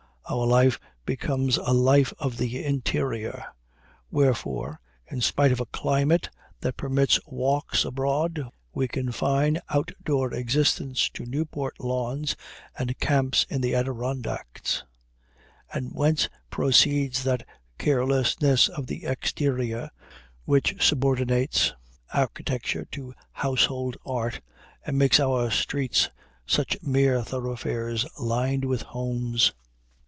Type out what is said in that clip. Our life becomes a life of the interior; wherefore, in spite of a climate that permits walks abroad, we confine out door existence to Newport lawns and camps in the Adirondacks; and whence proceeds that carelessness of the exterior which subordinates architecture to "household art," and makes of our streets such mere thoroughfares lined with "homes."